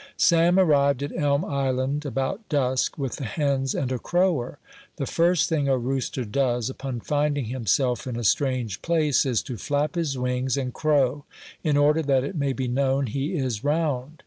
Sam arrived at Elm Island about dusk, with the hens and a crower. The first thing a rooster does, upon finding himself in a strange place, is to flap his wings and crow, in order that it may be known he is round.